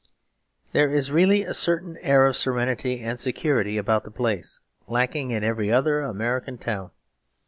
There is really a certain air of serenity and security about the place, lacking in every other American town.